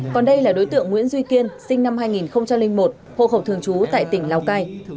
còn đây là đối tượng nguyễn duy kiên sinh năm hai nghìn một hộ khẩu thường trú tại tỉnh lào cai